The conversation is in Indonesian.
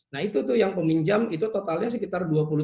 nah itu tuh yang peminjam itu totalnya itu adalah